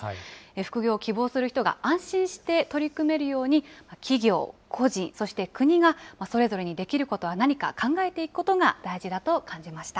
副業を希望する人が安心して取り組めるように、企業、個人、そして国が、それぞれにできることは何か考えていくことが大事だと感じました。